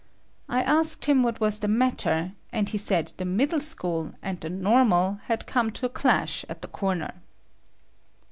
I asked him what was the matter, and he said the middle school and the normal had come to a clash at the corner.